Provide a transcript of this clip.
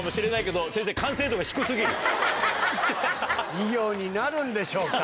授業になるんでしょうか？